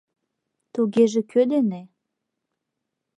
— Тугеже кӧ дене?